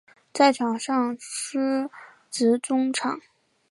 在场上司职中场。